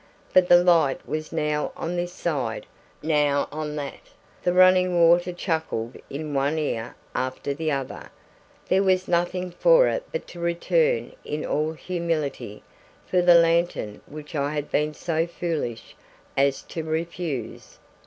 But the light was now on this side, now on that; the running water chuckled in one ear after the other; there was nothing for it but to return in all humility for the lantern which I had been so foolish as to refuse.